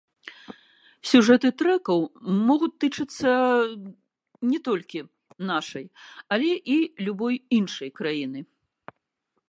Сюжэты трэкаў могуць тычыцца не толькі нашай, але і любой іншай краіны.